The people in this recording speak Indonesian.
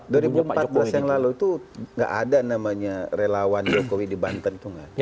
dari dua ribu empat belas yang lalu itu tidak ada relawan jokowi di banten